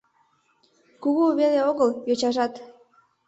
Кугу веле огыл — йочажат!